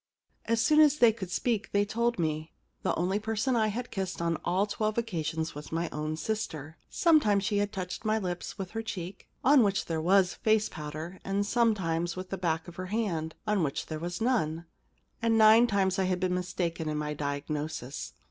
* As soon as they could speak they told me. The only person that I had kissed on all twelve occasions was my own sister. 33 The Problem Club Sometimes she had touched my lips with her cheek, on which there was face powder, and sometimes with the back of her hand, on which there was none. And nine times I had been mistaken in my diagnosis.